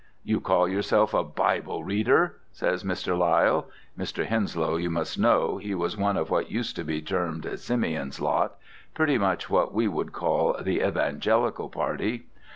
'You call yourself a Bible reader!' says Mr. Lyall. (Mr. Henslow, you must know, he was one of what used to be termed Simeon's lot pretty much what we should call the Evangelical party.)